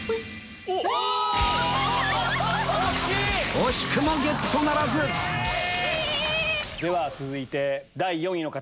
惜しくもゲットならずでは続いて第４位の方。